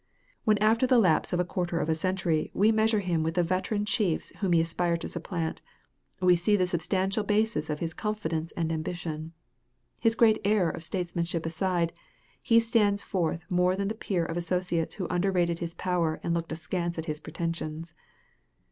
When after the lapse of a quarter of a century we measure him with the veteran chiefs whom he aspired to supplant, we see the substantial basis of his confidence and ambition. His great error of statesmanship aside, he stands forth more than the peer of associates who underrated his power and looked askance at his pretensions.